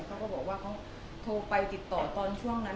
เขาก็บอกว่าเขาโทรไปติดต่อตอนช่วงนั้น